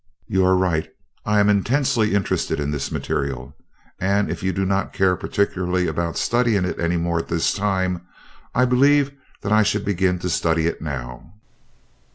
You are right I am intensely interested in this material, and if you do not care particularly about studying it any more at this time, I believe that I should begin to study it now."